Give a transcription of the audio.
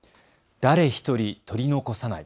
誰一人、取り残さない。